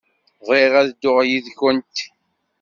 Bɣiɣ ad dduɣ yid-kent.